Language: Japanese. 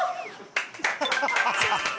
ハハハハ！